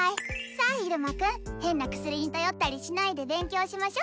さあ入間くん変な薬に頼ったりしないで勉強しましょ！